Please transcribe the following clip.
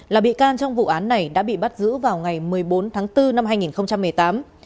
là bị can trong vụ án này đã bị bắt giữ vào ngày một mươi bốn tháng bốn năm hai nghìn một mươi tám